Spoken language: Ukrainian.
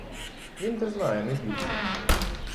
Він те знає, не бійся!